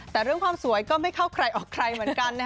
แต่เรื่องความสวยก็ไม่เข้าใครออกใครเหมือนกัน